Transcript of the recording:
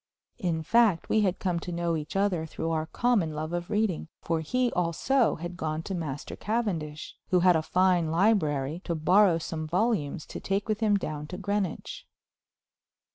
In fact we had come to know each other through our common love of reading, for he also had gone to Master Cavendish, who had a fine library, to borrow some volumes to take with him down to Greenwich.